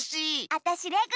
あたしレグ。